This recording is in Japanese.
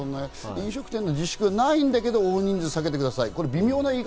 飲食店の自粛はないんだけど、大人数の会食は避けてくださいと微妙になる。